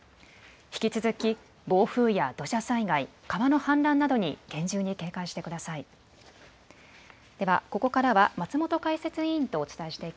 引き続き、暴風や土砂災害、川の氾濫などに厳重に警戒してください。